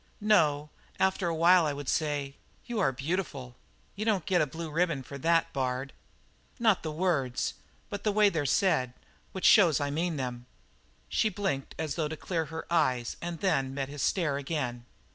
"No; after a while I would say: 'You are beautiful.'" "You don't get a blue ribbon for that, Bard." "Not for the words, but the way they're said, which shows I mean them." She blinked as though to clear her eyes and then met his stare again.